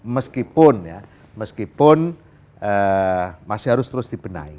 meskipun masih harus terus dibenahi